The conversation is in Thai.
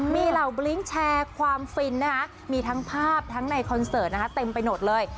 มีเหล่าบลิ้งแชร์ความฟินนะคะมีทั้งภาพทั้งในคอนเสิร์ตนะคะเต็มไปหมดเลย